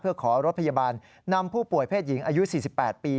เพื่อขอรถพยาบาลนำผู้ป่วยเพศหญิงอายุ๔๘ปี